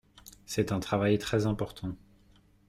C’est un travail très important.